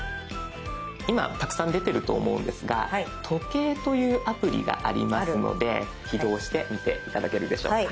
今たくさん出てると思うんですが時計というアプリがありますので起動してみて頂けるでしょうか。